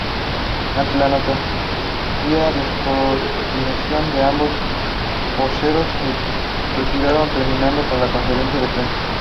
Ante la notoria descoordinación, ambos voceros se retiraron terminando con la conferencia de prensa.